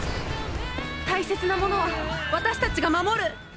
大切なものを私たちが守る。